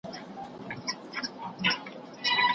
د ټولنې اصلاح کول د ټولو دنده ده.